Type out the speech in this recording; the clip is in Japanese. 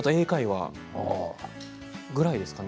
それぐらいですかね。